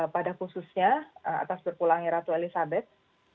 pada khususnya atas berpulangnya ratu elizabeth